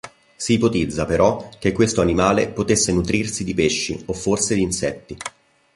Si ipotizza, però, che questo animale potesse nutrirsi di pesci o forse di insetti.